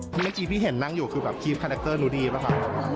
เมื่อกี้พี่เห็นนั่งอยู่คือครีฟคาแน็กเตอร์นุดีป่ะคะ